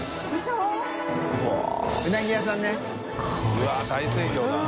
うわぁ大盛況だな。